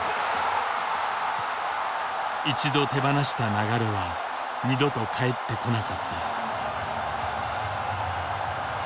一度手放した流れは二度と返ってこなかった。